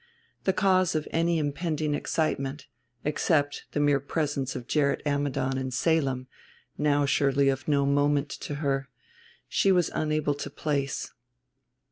The cause of any impending excitement except the mere presence of Gerrit Ammidon in Salem, now surely of no moment to her she was unable to place.